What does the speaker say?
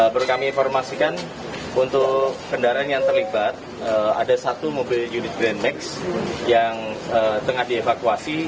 berkami informasikan untuk kendaraan yang terlibat ada satu mobil unit grand max yang tengah dievakuasi